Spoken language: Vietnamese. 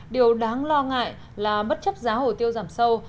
điều đáng lo ngại là bất chấp giá hồ tiêu giảm sâu